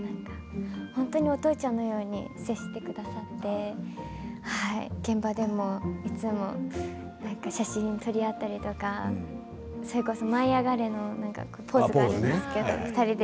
本当にお父ちゃんのように接してくださって現場でもいつも写真を撮り合ったりとかそれこそ「舞いあがれ！」のポーズがあるんですけどポスターの。